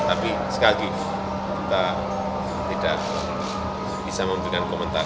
tapi sekali lagi kita tidak bisa memberikan komentar